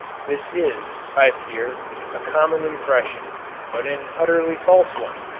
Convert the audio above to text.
This is, I fear, a common impression, but an utterly false one.